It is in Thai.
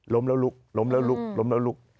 ล้มแล้วลุกล้มแล้วลุกล้มแล้วลุก